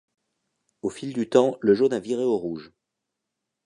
Au fil du temps, le jaune a viré au rouge.